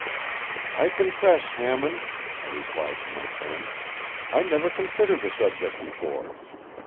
“I confess, Hammond,” I replied to my friend, “I never considered the subject before.